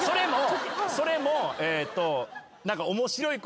それも。